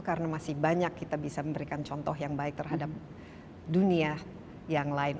karena masih banyak kita bisa memberikan contoh yang baik terhadap dunia yang lain